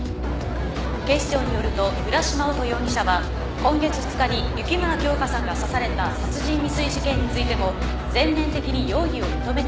警視庁によると浦島乙容疑者は今月２日に雪村京花さんが刺された殺人未遂事件についても全面的に容疑を認めているとのことです。